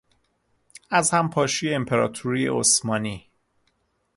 از هم پاشی امپراطوری عثمانی